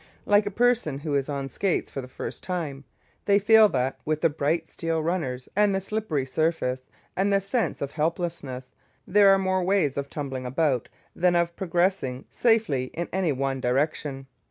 Like a person who is on skates for the first time, they feel that, what with the bright steel runners, and the slippery surface, and the sense of helplessness, there are more ways of tumbling about than of progressing safely in any one direction.